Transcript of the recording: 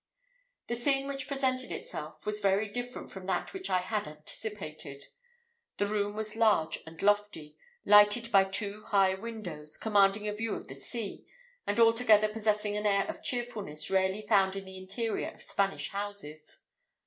The scene which presented itself was very different from that which I had anticipated. The room was large and lofty, lighted by two high windows, commanding a view of the sea, and altogether possessing an air of cheerfulness rarely found in the interior of Spanish houses.